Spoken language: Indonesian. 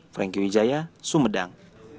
franky wijaya sumedang